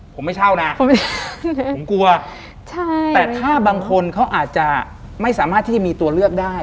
ผมไม่เช่านะผมกลัวใช่แต่ถ้าบางคนเขาอาจจะไม่สามารถที่จะมีตัวเลือกได้